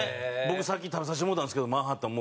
僕さっき食べさせてもらったんですけどマンハッタン